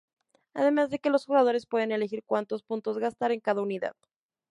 Además de que los jugadores pueden elegir cuantos puntos gastar en cada unidad.